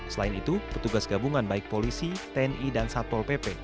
selain itu petugas gabungan baik polisi tni dan satpol pp